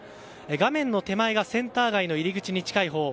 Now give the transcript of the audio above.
画面の手前がセンター街の入り口に近いほう。